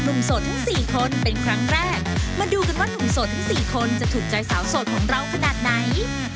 โสดทั้งสี่คนเป็นครั้งแรกมาดูกันว่าหนุ่มโสดทั้งสี่คนจะถูกใจสาวโสดของเราขนาดไหน